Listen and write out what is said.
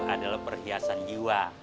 adalah perhiasan jiwa